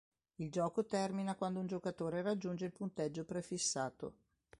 Il gioco termina quando un giocatore raggiunge il punteggio prefissato.